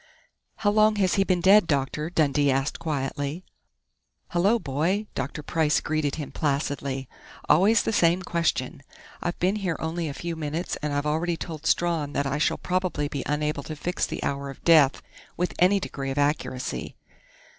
"How long has he been dead, doctor?" Dundee asked quietly. "Hello, boy!" Dr. Price greeted him placidly. "Always the same question! I've been here only a few minutes, and I've already told Strawn that I shall probably be unable to fix the hour of death with any degree of accuracy."